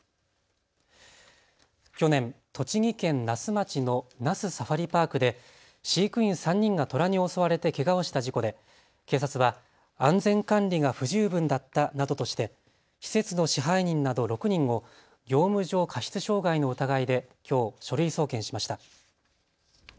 去年、栃木県那須町の那須サファリパークで飼育員３人がトラに襲われてけがをした事故で、警察は安全管理が不十分だったなどとして施設の支配人など６人を業務上過失傷害の疑いできょう書類送検しました。